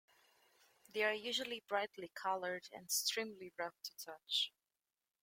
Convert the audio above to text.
They are usually brightly coloured, and extremely rough to touch.